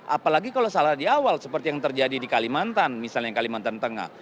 apalagi kalau salah di awal seperti yang terjadi di kalimantan misalnya kalimantan tengah